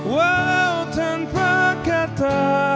walau tanpa kata